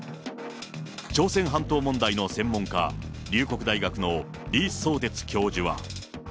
朝鮮半島問題の専門家、龍谷大学の李相哲教授は。